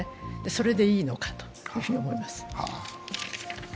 それでいいのかと思います。